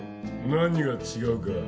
何が違うか！